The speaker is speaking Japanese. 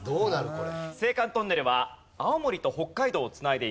これ。